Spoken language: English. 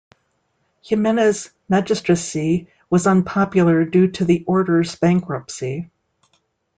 Ximenes' magistracy was unpopular due to the Order's bankruptcy.